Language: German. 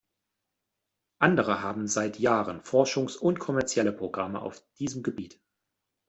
Andere haben seit Jahren Forschungs- und kommerzielle Programme auf diesem Gebiet.